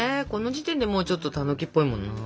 この時点でもうちょっとたぬきっぽいもんな。